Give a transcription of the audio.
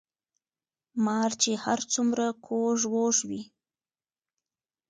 ـ مار چې هر څومره کوږ وږ وي